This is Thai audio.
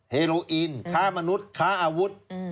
เฮโลอินค้ามนุษย์ค้าอาวุธ